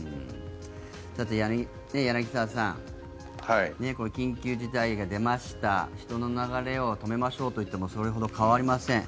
さて、柳澤さん緊急事態が出ました人の流れを止めましょうといってもそれほど変わりません。